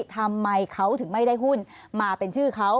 ทำไมเขาถึงไม่ได้หุ้นมาเป็นชื่อเขา